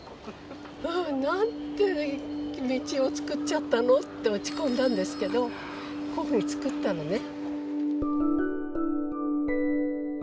「なんて道を造っちゃったの！？」って落ち込んだんですけどこういうふうに造ったのね。